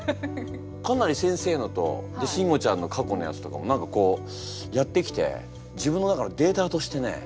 かなり先生のとシンゴちゃんの過去のやつとかも何かこうやってきて自分の中のデータとしてね